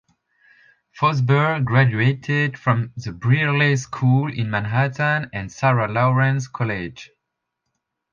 Fosburgh graduated from the Brearley School in Manhattan and Sarah Lawrence College.